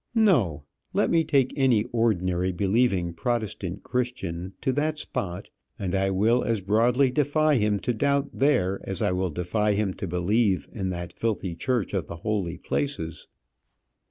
No: let me take any ordinary believing Protestant Christian to that spot, and I will as broadly defy him to doubt there as I will defy him to believe in that filthy church of the holy places.